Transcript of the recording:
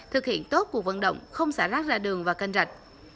thực hiện tốt cuộc vận động không xả rác ra đường và kênh rạch